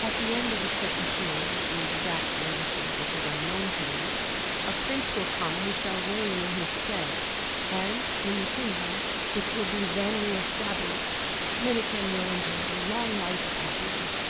At the end of a certain period, the exact duration of which is unknown to me, a prince will come who shall reign in his stead; and in the kingdom, which will be then re established, Minikin will enjoy a long life of happiness.